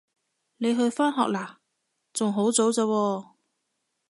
你去返學喇？仲好早咋喎